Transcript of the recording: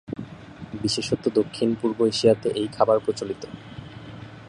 বিশেষত দক্ষিণ-পূর্ব এশিয়াতে এই খাবার প্রচলিত।